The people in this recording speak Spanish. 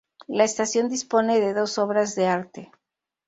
La estación dispone de dos obras de arte.